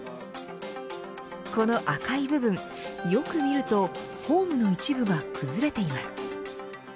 この赤い部分、よく見るとホームの一部が崩れています。